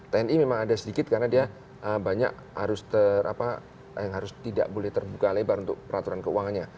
tni memang ada sedikit karena dia banyak harus tidak boleh terbuka lebar untuk peraturan keuangannya